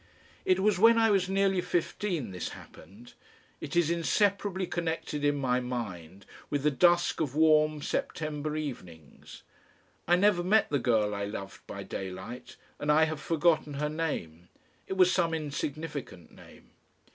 It was when I was nearly fifteen this happened. It is inseparably connected in my mind with the dusk of warm September evenings. I never met the girl I loved by daylight, and I have forgotten her name. It was some insignificant name.